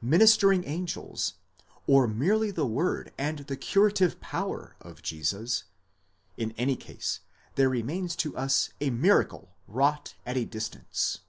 ministering angels,}4 or merely the word and the curative power of Jesus ;1> _in any case there remains to us a miracle wrought at a distance.